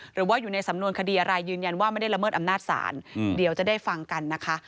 หรือว่าอยู่ในสำนวนคดีอะไรยืนยันว่าไม่ได้ละเมิดอำนาจศาลเดี๋ยวจะได้ฟังกันนะคะ